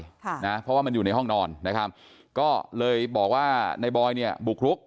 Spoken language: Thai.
เพราะว่ามันอยู่ในห้องนอนก็เลยบอกว่านายบอยบุกลุก